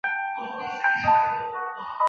女子跳远比赛分为预赛及决赛。